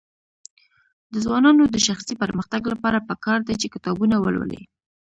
د ځوانانو د شخصي پرمختګ لپاره پکار ده چې کتابونه ولولي.